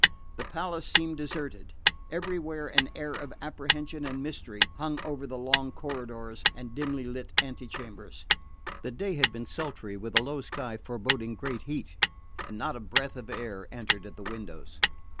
The palace seemed deserted. Everywhere an air of apprehension and mystery hung over the long corridors and dimly lit antechambers. The day had been sultry, with a low sky foreboding great heat, and not a breath of air entered at the windows.